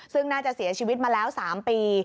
ซึ่งน่าจะเสียชีวิตมาแล้ว๓ปี